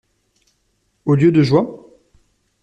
Au lieu de joie?